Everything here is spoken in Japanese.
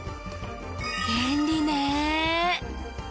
便利ね。